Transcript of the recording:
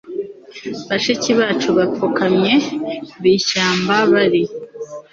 Bashiki bacu bapfukamye bishyamba bari